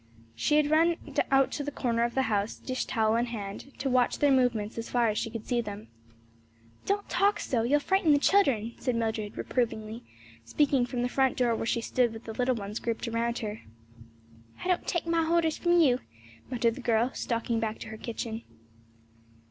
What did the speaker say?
She had run out to the corner of the house, dishtowel in hand, to watch their movements as far as she could see them. "Don't talk so; you'll frighten the children," said Mildred, reprovingly, speaking from the front door where she stood with the little ones grouped about her. "I don't take my horders from you," muttered the girl, stalking back to her kitchen.